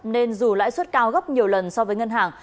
nên dù lãi suất cao gấp nhiều lần so với ngân hàng